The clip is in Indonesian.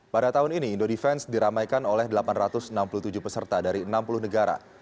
pada tahun ini indo defense diramaikan oleh delapan ratus enam puluh tujuh peserta dari enam puluh negara